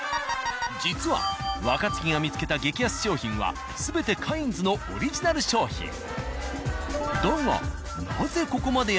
実は若槻が見つけた激安商品は全て「カインズ」のオリジナル商品。